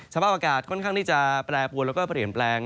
สภาพอากาศค่อนข้างที่จะแปรปวนแล้วก็เปลี่ยนแปลง